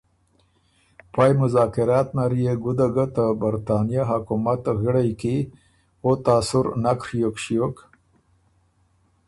پئ مذاکرات نر يې ګُده ګۀ ته برطانیه حکومت غِړئ کی او تاثر نک ڒیوک ݭیوک